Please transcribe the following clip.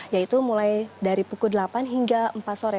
yaitu mulai dari pukul delapan hingga empat sore